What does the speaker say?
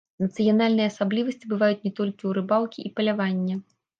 Нацыянальныя асаблівасці бываюць не толькі ў рыбалкі і палявання.